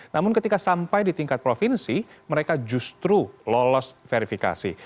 namun ketika sampai di tingkat provinsi mereka justru lolos verifikasi